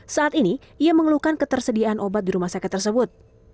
saat ini ia mengeluhkan ketersediaan obat di rumah sakit tersebut